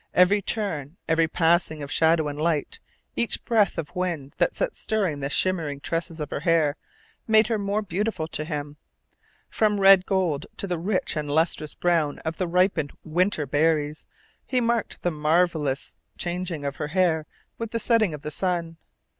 Every turn, every passing of shadow and light, each breath of wind that set stirring the shimmering tresses of her hair, made her more beautiful to him. From red gold to the rich and lustrous brown of the ripened wintel berries he marked the marvellous changing of her hair with the setting of the sun.